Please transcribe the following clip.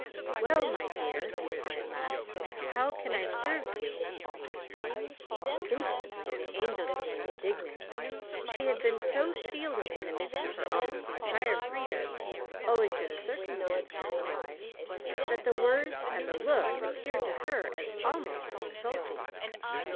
"Well, my dear," he said at last, "how can I serve you?" Instantly the Angel became indignant. She had been so shielded in the midst of almost entire freedom, owing to the circumstances of her life, that the words and the look appeared to her as almost insulting.